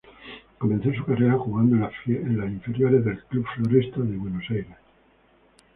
Comenzó su carrera jugando en las inferiores del Club Floresta de Buenos Aires.